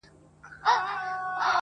پر غوټۍ د انارګل به شورماشور وي-